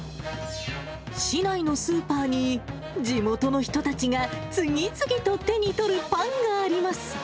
市内のスーパーに、地元の人たちが次々と手に取るパンがあります。